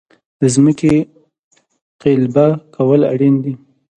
د ځمکې قلبه کول اړین دي.